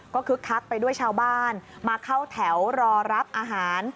ก็คึกคักไปด้วยชาวบ้านมาเข้าแถวรอรับอาหาร